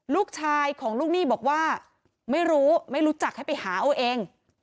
ลูกชายของลูกหนี้บอกว่าไม่รู้ไม่รู้จักให้ไปหาเอาเอง